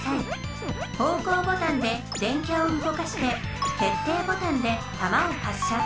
方向ボタンで電キャをうごかして決定ボタンでたまを発射。